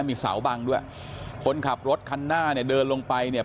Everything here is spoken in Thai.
มีเสาบังด้วยคนขับรถคันหน้าเนี่ยเดินลงไปเนี่ย